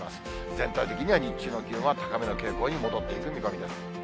全体的には日中の気温は高めの傾向に戻っていく見込みです。